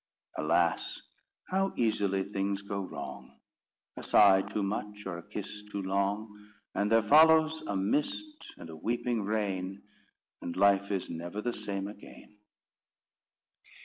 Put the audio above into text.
_Alas, how easily things go wrong! A sigh too much, or a kiss too long, And there follows a mist and a weeping rain, And life is never the same again.